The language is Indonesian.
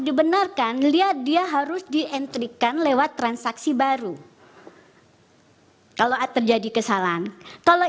dibenarkan lihat dia harus di entrikan lewat transaksi baru kalau terjadi kesalahan kalau